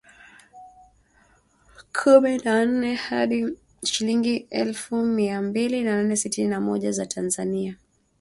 kumi na nne hadi shilingi efu mbili mia nane sitini na moja za Tanzania